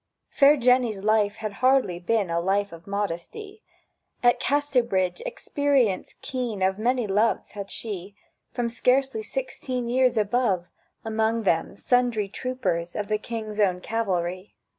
Fair Jenny's life had hardly been A life of modesty; At Casterbridge experience keen Of many loves had she From scarcely sixteen years above; Among them sundry troopers of The King's Own Cavalry.